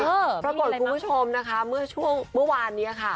ปรากฏคุณผู้ชมนะคะเมื่อช่วงเมื่อวานนี้ค่ะ